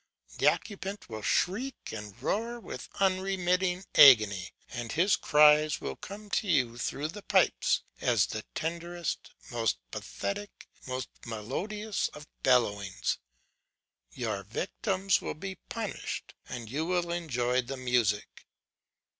The occupant will shriek and roar in unremitting agony; and his cries will come to you through the pipes as the tenderest, most pathetic, most melodious of bellowings. Your victim will be punished, and you will enjoy the music."